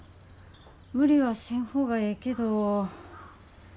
無理はせん方がええけど。